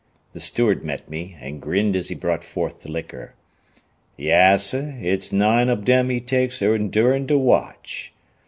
The steward met me and grinned as he brought forth the liquor. "Yessah, it's nine ob dem he takes endurin' de watch.